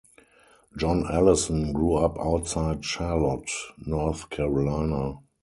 John Allison grew up outside Charlotte, North Carolina.